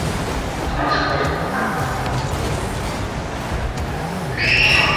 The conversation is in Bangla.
তীব্র শ্বাসকষ্ট থাকার ফলে কোনো খেলাধূলা করতে পারো না।